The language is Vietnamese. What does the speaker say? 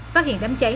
phát hiện đám cháy